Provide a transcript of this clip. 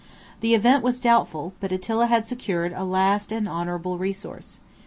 The event was doubtful: but Attila had secured a last and honorable resource.